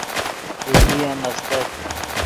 بجلی ام استت